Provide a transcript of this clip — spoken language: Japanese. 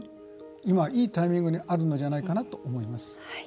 今、いいタイミングにあるのじゃないかなと思います。